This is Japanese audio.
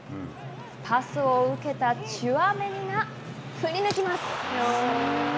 パスを受けたチュアメニが振り抜きます。